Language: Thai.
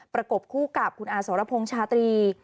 ประกบคู่กับคุณอาสรพงศ์ชาตรี